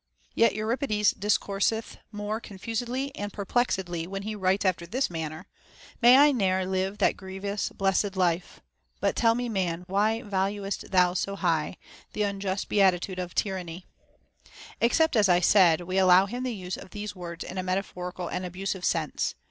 ΙΓ. Ο 66 HOW A YOUNG MAN OUGHT yet Euripides discourseth more confusedly and perplexedly when he writes after this manner, — May I ne'er live that grievous blessed life ;— But tell me, man, why valuest thou so high Th' unjust beatitude of tyranny ?* except, as I said, we allow him the use of these words in a metaphorical and abusive sense.